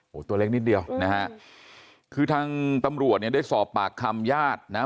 โอ้โหตัวเล็กนิดเดียวนะฮะคือทางตำรวจเนี่ยได้สอบปากคำญาตินะฮะ